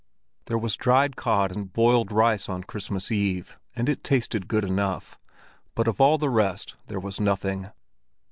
There was dried cod and boiled rice on Christmas Eve, and it tasted good enough; but of all the rest there was nothing.